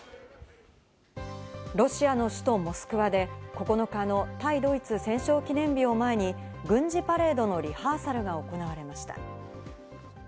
ロシアの首都モスクワで９日の対ドイツ戦勝記念日を前に、軍事パレードのリハーサルが行われました。